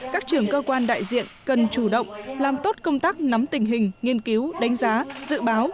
các trưởng cơ quan đại diện cần chủ động làm tốt công tác nắm tình hình nghiên cứu đánh giá dự báo